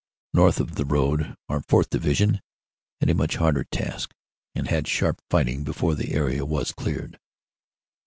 North of the road our 4th. Division had a much harder task and had sharp fighting before the area was cleared.